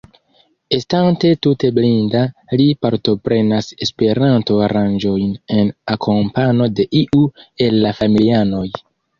Estante tute blinda, li partoprenas Esperanto-aranĝojn en akompano de iu el la familianoj.